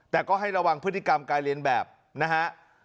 แต่ก็ให้ระวังพฤติกรรมการเรียนแบบนะฮะ